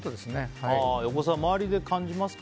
横澤、周りで感じますか？